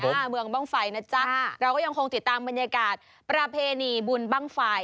เมืองบ้างไฟนะจ๊ะเราก็ยังคงติดตามบรรยากาศประเพณีบุญบ้างไฟ